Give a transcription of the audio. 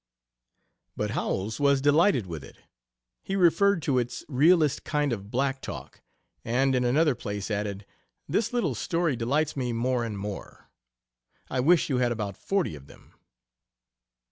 But Howells was delighted with it. He referred to its "realest kind of black talk," and in another place added, "This little story delights me more and more. I wish you had about forty of them."